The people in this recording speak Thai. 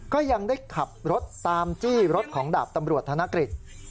ก็ยังได้ขับรถตามจี้รถของดาบตำรวจธนกฤษ